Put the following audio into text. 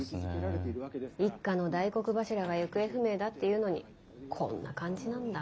一家の大黒柱が行方不明だっていうのにこんな感じなんだ。